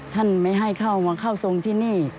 ท่านไม่ให้เข้ามาเข้าทรงที่นี่